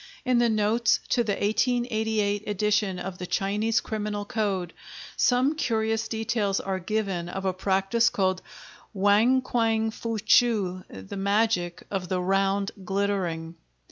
In the notes to the 1888 edition of the Chinese criminal code, some curious details are given of a practice called Yuan kuang fuchou (the magic of the round glittering).